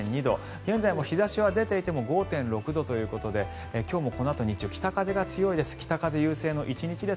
現在も日差しは出ていても５．６度ということで今日もこのあと日中、北風が強いです。